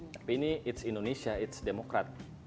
tapi ini it's indonesia it's demokrat